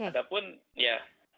ada pun ya